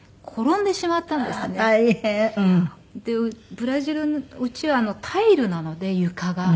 ブラジルの家はタイルなので床が。